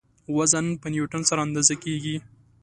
وزن په نیوټن سره اندازه کیږي.